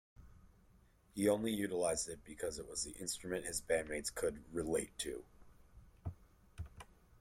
He only utilized it because it was the instrument his bandmates could "relate to".